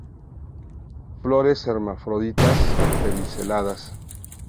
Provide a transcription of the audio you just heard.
Flores hermafroditas, pediceladas.